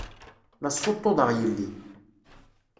La ssuṭṭuḍeɣ yelli.